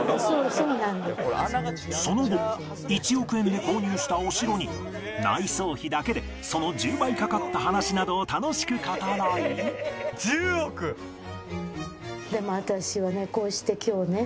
その後１億円で購入したお城に内装費だけでその１０倍かかった話などを楽しく語らいでも私はね。